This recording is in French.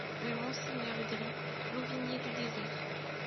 Rue Monseigneur Gry, Louvigné-du-Désert